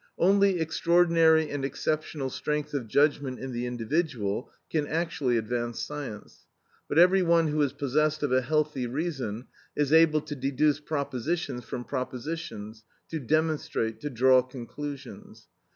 Only extraordinary and exceptional strength of judgment in the individual can actually advance science; but every one who is possessed of a healthy reason is able to deduce propositions from propositions, to demonstrate, to draw conclusions.